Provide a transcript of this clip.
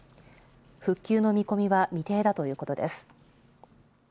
復旧の見込みは未定だということです。